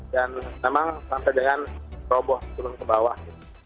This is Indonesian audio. dan memang sampai dengan roboh turun ke bawah